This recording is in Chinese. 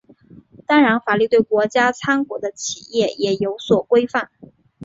当然法律对国家参股的企业也有所规范。